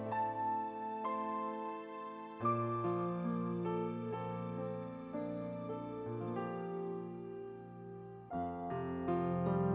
jadi aku mau juga